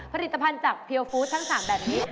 ผลิตภัณฑ์จากเพียวฟู้ดทั้ง๓แบบนี้